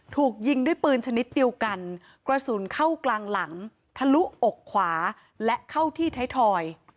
ถูกยิงด้วยปืนชนิดเดียวกันกระสุนเข้ากลางหลังทะลุอกขวาและเข้าที่ไทยทอย